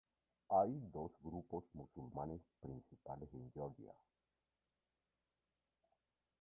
Hay dos grupos musulmanes principales en Georgia.